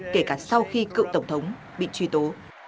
kể cả sau khi cựu tổng thống bị truy tố